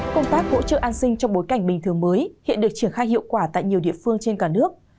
công tác hỗ trợ an sinh trong bối cảnh bình thường mới hiện được triển khai hiệu quả tại nhiều địa phương trên cả nước